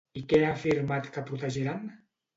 I què ha afirmat que protegiran?